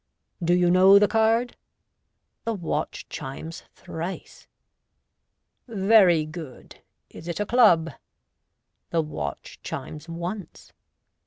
Do you know the card? " The watch chimes thrice. "Very good. Is it a club ?" The watch chimes once.